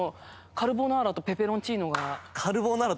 カルボナーラとペペロンチーノ。